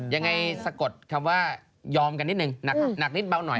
สะกดคำว่ายอมกันนิดนึงหนักนิดเบาหน่อย